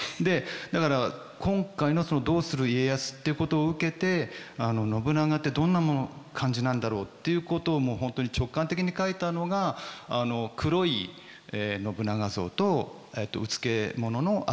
だから今回の「どうする家康」っていうことを受けて信長ってどんな感じなんだろうっていうことをもう本当に直感的に描いたのが黒い信長像とうつけ者の赤い信長像だったんですね。